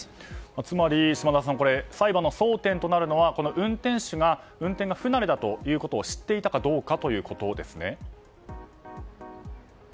つまり、嶋田さん裁判の争点となるのは運転手が運転が不慣れだということを知っていたかどうかということですね。